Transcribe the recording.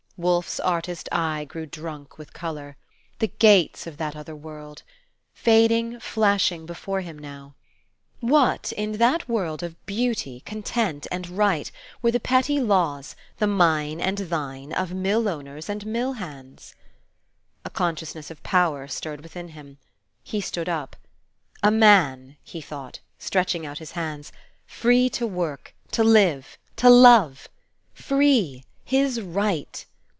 Wolfe's artist eye grew drunk with color. The gates of that other world! Fading, flashing before him now! What, in that world of Beauty, Content, and Right, were the petty laws, the mine and thine, of mill owners and mill hands? A consciousness of power stirred within him. He stood up. A man, he thought, stretching out his hands, free to work, to live, to love! Free! His right!